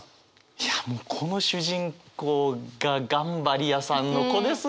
いやもうこの主人公が頑張り屋さんの子ですよね！